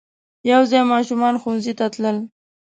یو ځای ماشومان ښوونځی ته تلل.